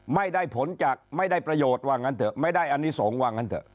ไม่ได้ผลจากไม่ได้ประโยชน์ไม่ได้อนิสงคนว่างั้นเถอะ